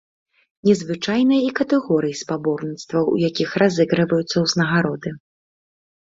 Незвычайныя і катэгорыі спаборніцтваў, у якіх разыгрываюцца ўзнагароды.